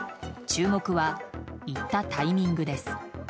注目は、行ったタイミングです。